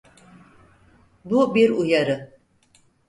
Bu bir uyarı.